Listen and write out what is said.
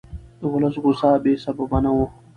د ولس غوسه بې سببه نه وي